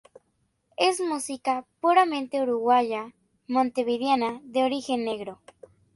Es música puramente uruguaya, montevideana, de origen negro.